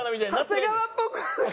長谷川っぽくない。